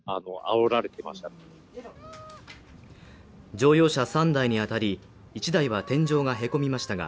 乗用車３台に当たり、１台は天井がへこみましたが、